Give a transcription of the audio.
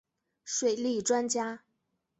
水利专家。